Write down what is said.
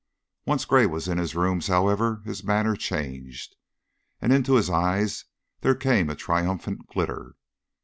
Once Gray was in his rooms, however, his manner changed, and into his eyes there came a triumphant glitter.